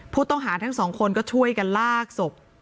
ผู้ต้องหาทั้งสองคนก็ช่วยกันลากศพ